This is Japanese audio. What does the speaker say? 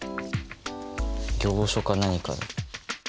行書か何かで。